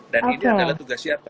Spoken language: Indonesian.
dan ini adalah tugas siapa